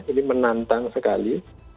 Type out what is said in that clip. ini menantang sekali